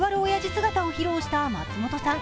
姿を披露した松本さん。